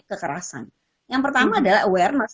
kekerasan yang pertama adalah awareness